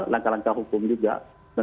langkah langkah hukum juga